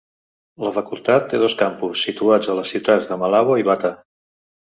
La facultat té dos campus, situats a les ciutats de Malabo i Bata.